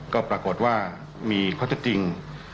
ก็ปรากฏว่ามีความจริง